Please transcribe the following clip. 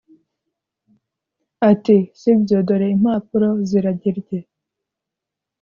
ati"sibyo dore impapuro zirage rye